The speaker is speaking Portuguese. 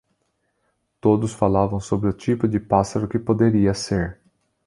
Todos falavam sobre o tipo de pássaro que poderia ser.